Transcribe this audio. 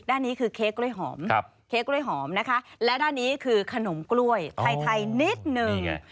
ด้านนี้คือเค้กกล้วยหอมและด้านนี้คือขนมกล้วยไทยนิดหนึ่ง